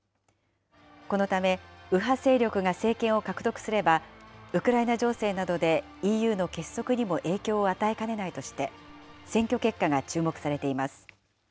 このため、右派勢力が政権を獲得すれば、ウクライナ情勢などでＥＵの結束にも影響を与えかねないとして、選挙結果が注目されています。